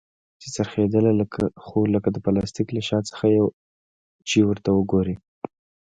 چې څرخېدله خو لکه د پلاستيک له شا څخه چې ورته وگورې.